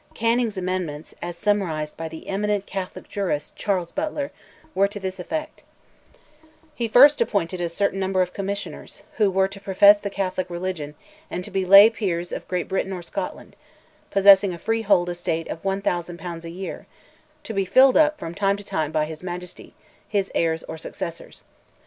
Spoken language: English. Canning's amendments, as summarised by the eminent Catholic jurist, Charles Butler, were to this effect:— "He first appointed a certain number of Commissioners, who were to profess the Catholic religion, and to be lay peers of Great Britain or Scotland, possessing a freehold estate of one thousand pounds a year; to be filled up, from time to time, by his Majesty, his heirs, or successors.